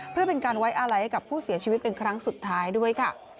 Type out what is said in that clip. เพื่อเป็นการไว้อาลัยให้กับผู้เสียชีวิตเป็นครั้งสุดท้ายด้วยค่ะ